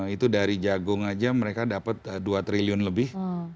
itu dari jagung aja mereka dapat dua triliun lebih